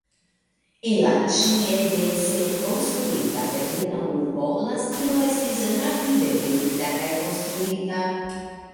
En la ĉie dense konstruita berlina urbo la strio estis rapide vendita kaj konstruita.